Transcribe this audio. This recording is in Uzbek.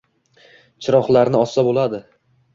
chiroqlarni ossa boʼladi